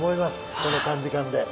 この短時間で。